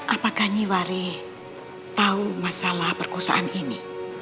apakah nyiwari tahu masalah perkosaan ini